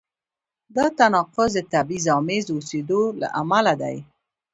دا تناقض د تبعیض آمیز اوسېدو له امله دی.